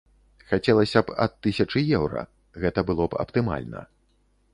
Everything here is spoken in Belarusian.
Хацелася б ад тысячы еўра, гэта было б аптымальна.